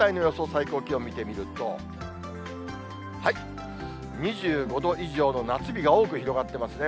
最高気温見てみると、２５度以上の夏日が多く広がってますね。